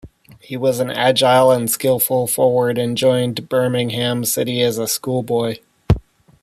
He was an agile and skilful forward and joined Birmingham City as a schoolboy.